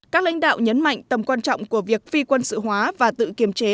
các lãnh đạo nhấn mạnh tầm quan trọng của việc phi quân sự hóa và tự kiềm chế